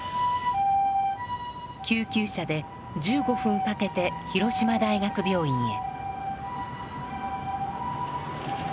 救急車で１５分かけて広島大学病院へ。